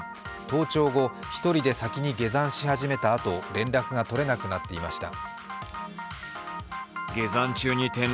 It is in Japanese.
登頂後１人出先に下山し始めたあと連絡が取れなくなっていました。